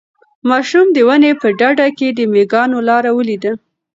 ماشوم د ونې په ډډ کې د مېږیانو لاره ولیده.